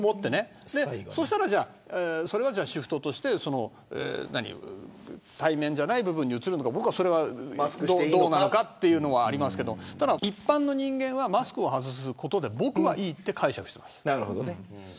それはシフトとして対面じゃない部分に移るのかどうなのかという部分がありますけど一般の人間はマスクを外していいと僕は解釈しています。